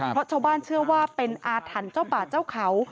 เพราะชาวบ้านเชื่อว่าเป็นอาถรรพ์เจ้าป่าเจ้าเขา